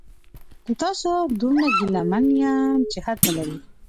د تاسو دومره ګیله من یمه چې حد نلري